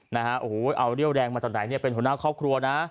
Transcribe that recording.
นะฮะโอ้โหเอาเรี่ยวแรงมาจากไหนเนี่ยเป็นหัวหน้าครอบครัวนะ